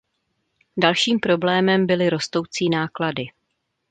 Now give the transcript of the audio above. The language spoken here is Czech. Dalším problémem byly rostoucí náklady.